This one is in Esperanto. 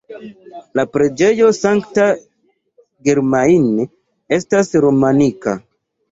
La preĝejo Sankta Germain estas romanika.